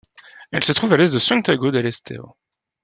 Elle se trouve à l´est de Santiago del Estero.